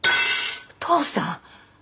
お父さん！？